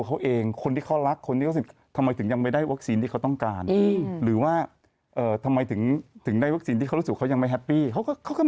เขาก็มองในสิ่งที่เกิดขึ้นในมุมมองของแต่ละคนนั่นแหละ